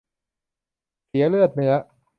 เสียเลือดเนื้อ